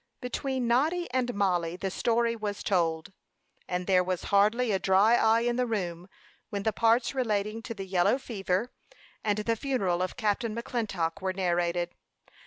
Between Noddy and Mollie the story was told; and there was hardly a dry eye in the room when the parts relating to the yellow fever and the funeral of Captain McClintock were narrated.